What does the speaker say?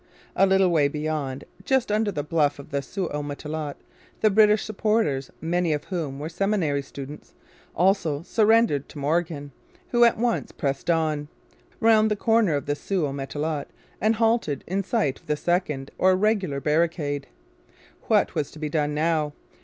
A little way beyond, just under the bluff of the Sault au Matelot, the British supports, many of whom were Seminary students, also surrendered to Morgan, who at once pressed on, round the corner of the Sault au Matelot, and halted in sight of the second or regular barricade. What was to be done now?